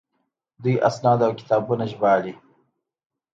دوی اسناد او کتابونه ژباړي.